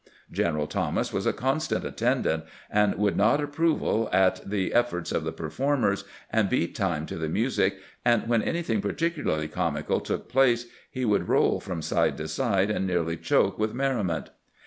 Greneral Thomas was a constant attendant, and would nod approval at the efforts of the performers, and beat time to the music, and when anything particularly comical took place he would roll from side to side and nearly choke with merriment.